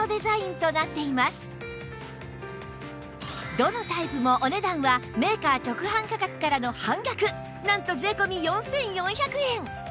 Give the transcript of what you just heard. どのタイプもお値段はメーカー直販価格からの半額なんと税込４４００円